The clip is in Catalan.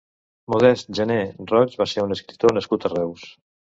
Modest Gené Roig va ser un escultor nascut a Reus.